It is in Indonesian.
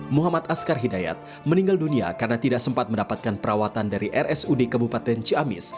muhammad askar hidayat meninggal dunia karena tidak sempat mendapatkan perawatan dari rsud kabupaten ciamis